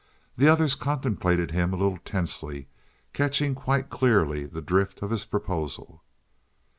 The others contemplated him a little tensely, catching quite clearly the drift of his proposal.